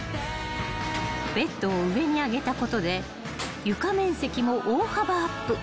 ［ベッドを上に上げたことで床面積も大幅アップ］